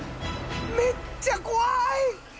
めっちゃ怖い！